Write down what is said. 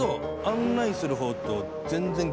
案内するほうと全然。